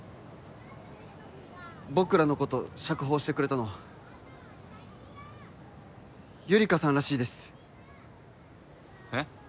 僕らのこと釈放してくれたのはゆりかさんらしいですえっ？